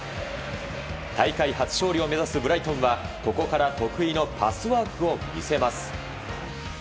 大会初勝利を目指すブライトンはここから得意のパスワークを見せます。